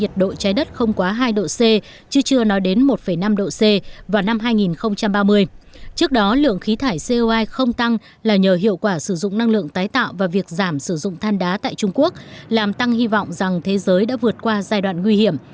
tuy giao chưa nói đến một năm độ c vào năm hai nghìn ba mươi trước đó lượng khí thải co hai không tăng là nhờ hiệu quả sử dụng năng lượng tái tạo và việc giảm sử dụng than đá tại trung quốc làm tăng hy vọng rằng thế giới đã vượt qua giai đoạn nguy hiểm